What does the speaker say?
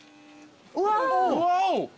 うわ！